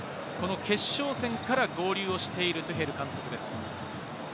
この決勝戦から合流をしているトゥヘル監督です。